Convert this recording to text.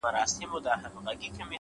د زړه سکون له رښتیا سره مل وي’